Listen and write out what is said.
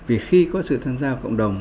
vì khi có sự tham gia vào cộng đồng